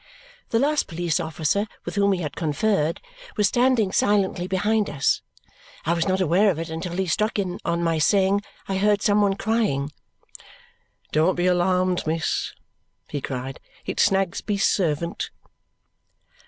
The last police officer with whom he had conferred was standing silently behind us. I was not aware of it until he struck in on my saying I heard some one crying. "Don't be alarmed, miss," he returned. "It's Snagsby's servant."